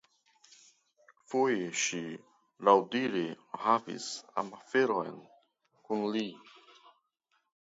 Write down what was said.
Foje ŝi laŭdire havis amaferon kun li.